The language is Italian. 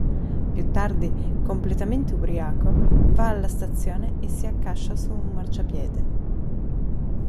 Più tardi, completamente ubriaco, va alla stazione e si accascia su un marciapiede.